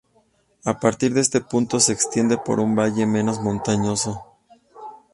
A partir de este punto, se extiende por un valle menos montañoso.